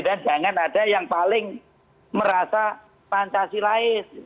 dan jangan ada yang paling merasa pancasilais